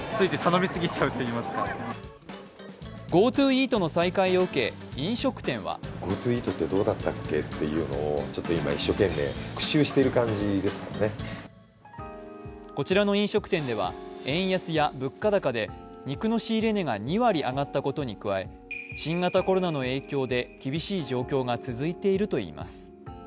ＧｏＴｏイートの再開を受け、飲食店はこちらの飲食店では円安や物価高で、肉の仕入れ値が２割上がったことに加え新型コロナの影響で厳しい状況が続いているといいます。